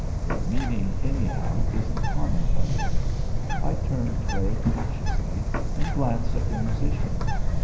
Their meaning, anyhow, isn't commonplace. I turned very cautiously and glanced at the musician.